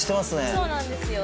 そうなんですよ。